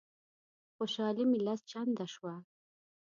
خوشالي مي لس چنده شوه.